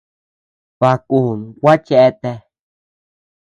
Baʼa kun gua cheatea.